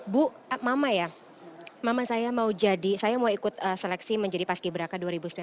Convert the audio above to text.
bu mama ya mama saya mau jadi saya mau ikut seleksi menjadi paski braka dua ribu sembilan belas